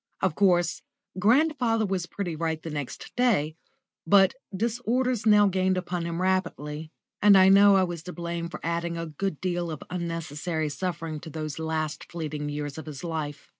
Of course, grandfather was pretty right the next day, but disorders now gained upon him rapidly, and I know I was to blame for adding a good deal of unnecessary suffering to those last fleeting years of his life.